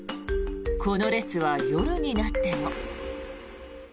この列は夜になっても。